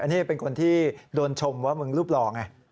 อันนี้เป็นคนที่โดนชมว่ามึงรูปรอง่ะ